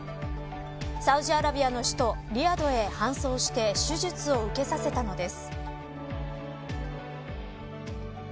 サウジアラビアの首都リヤドへ搬送して手術を受けさせたのです。